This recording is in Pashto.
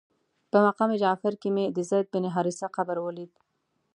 په مقام جعفر کې مې د زید بن حارثه قبر ولید.